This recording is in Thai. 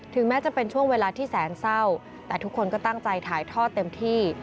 แม้จะเป็นช่วงเวลาที่แสนเศร้าแต่ทุกคนก็ตั้งใจถ่ายทอดเต็มที่